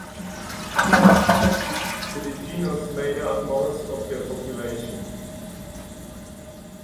Filipinos made up most of their population.